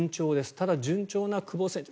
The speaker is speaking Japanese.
ただ、順調な久保選手。